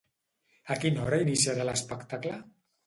A quina hora iniciarà l'espectacle?